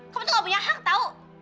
kamu tuh gak punya hak tau